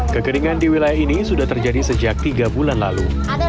kekeringan di wilayah ini sudah terjadi sejak tiga bulan lalu